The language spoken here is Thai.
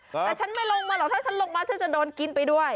แต่ฉันไม่ลงมาหรอกถ้าฉันลงมาฉันจะโดนกินไปด้วย